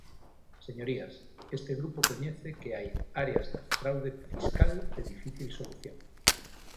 Señorías, este grupo coñece que hai áreas da fraude fiscal de difícil solución.